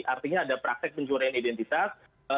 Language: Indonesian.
artinya ada praktek pencurian identitas